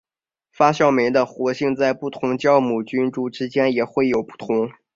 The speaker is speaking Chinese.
发酵酶的活性在不同的酵母菌株之间也会有不同。